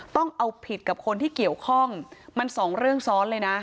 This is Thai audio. ต้องเอาผิดกับคนที่เกี่ยวข้องมันสองเรื่องซ้อนเลยนะ